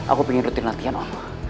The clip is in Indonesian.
aku pengen rutin latihan om